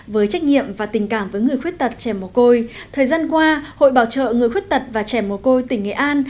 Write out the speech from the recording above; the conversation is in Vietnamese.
với trách nhiệm và tình cảm với người khuyết tật trẻ mồ côi thời gian qua hội bảo trợ người khuyết tật và trẻ mồ côi tỉnh nghệ an